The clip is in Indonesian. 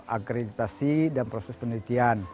agreditasi dan proses penelitian